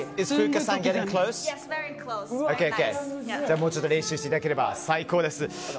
もうちょっと練習していただければ最高です。